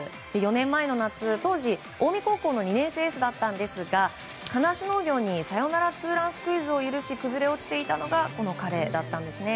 ４年前の夏、当時、近江高校の２年生エースだったんですが金足農業にサヨナラツーランスクイズを許し崩れ落ちていたのがこの彼だったんですね。